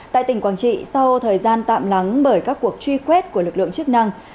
tại tỉnh quảng trị sau thời gian tạm lắng bởi các cuộc truy quét của lực lượng chức năng